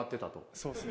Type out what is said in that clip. そうっすね